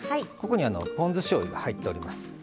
ここにポン酢しょうゆが入っております。